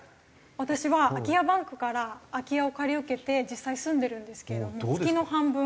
私は空き家バンクから空き家を借り受けて実際住んでるんですけれども月の半分。